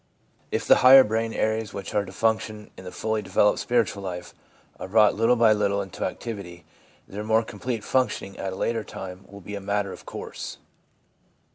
If the higher brain areas which are to function in the fully developed spiritual life are brought little by little into activity, their more complete functioning at a later time will be a matter of course.